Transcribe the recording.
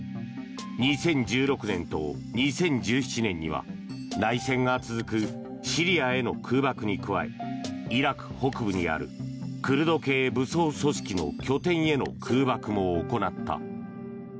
２０１６年と２０１７年には内戦が続くシリアへの空爆に加えイラク北部にあるクルド系武装組織の拠点への空爆も行った。